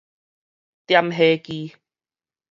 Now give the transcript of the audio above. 點火機